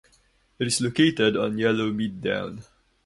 It is located on Yellowmead Down.